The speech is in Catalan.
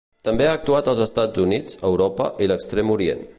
També ha actuat als Estats Units, Europa i l'Extrem Orient.